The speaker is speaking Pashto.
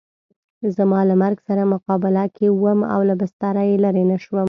زه له مرګ سره مقابله کې وم او له بستره یې لرې نه شوم.